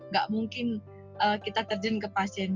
gak mungkin kita terjun ke pasien